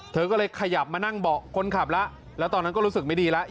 เธอก็เลยขยับมานั่งเบาะคนขับแล้วแล้วตอนนั้นก็รู้สึกไม่ดีแล้ว